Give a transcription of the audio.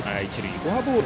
フォアボール。